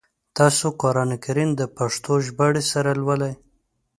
تاسو قرآن کریم د پښتو ژباړي سره لولی ؟